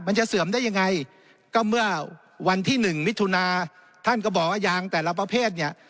เสื่อมได้ยังไงก็เมื่อวันที่หนึ่งมิถุนาท่านก็บอกว่ายางแต่ละประเภทเนี่ย